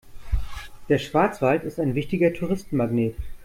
Der Schwarzwald ist ein wichtiger Touristenmagnet.